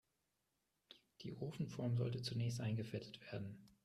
Die Ofenform sollte zunächst eingefettet werden.